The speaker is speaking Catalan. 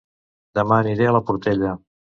Dema aniré a La Portella